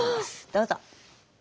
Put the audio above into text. どうぞ。